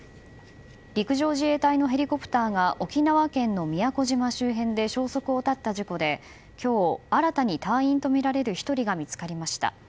陸上自衛隊のヘリコプターが沖縄県の宮古島周辺で消息を絶った事故で今日新たに隊員とみられる１人が見つかりました。